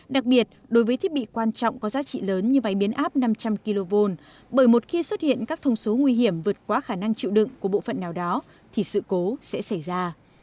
đặc biệt đối với thiết bị quan trọng có giá trị lớn như váy biến áp năm trăm linh kv bởi một khi xuất hiện các thông số nguy hiểm vượt qua khả năng chịu đựng của bộ phận nào đó thì sự cố sẽ xảy ra